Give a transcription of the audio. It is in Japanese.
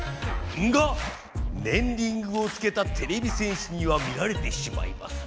がねんリングをつけたてれび戦士には見られてしまいます。